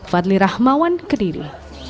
fadli rahmawan kediri